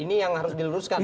ini yang harus diluruskan